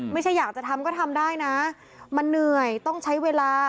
ไม่ใช่อยากจะทำก็ทำได้นะมันเหนื่อยต้องใช้เวลา